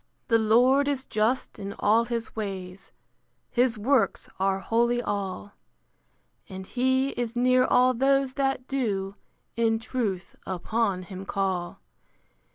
The Lord is just in all his ways: His works are holy all: And he is near all those that do In truth upon him call.